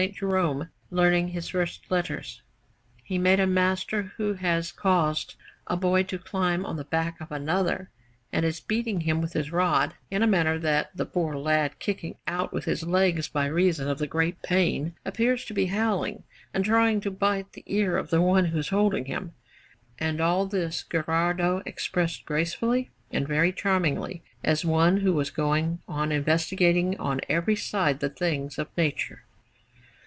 Jerome learning his first letters, he made a master who has caused a boy to climb on the back of another and is beating him with his rod, in a manner that the poor lad, kicking out with his legs by reason of the great pain, appears to be howling and trying to bite the ear of the one who is holding him; and all this Gherardo expressed gracefully and very charmingly, as one who was going on investigating on every side the things of nature.